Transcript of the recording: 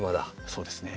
そうですね。